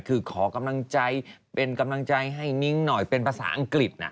คือขอกำลังใจเป็นกำลังใจให้มิ้งหน่อยเป็นภาษาอังกฤษ